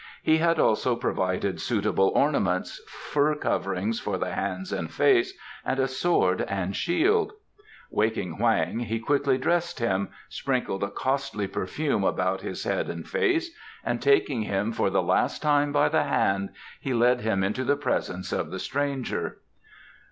He had also provided suitable ornaments, fur coverings for the hands and face, and a sword and shield. Waking Hoang, he quickly dressed him, sprinkled a costly perfume about his head and face, and taking him for the last time by the hand he led him into the presence of the stranger.